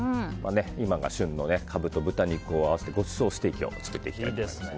今が旬のカブと豚を合わせてごちそうステーキを作っていきたいと思います。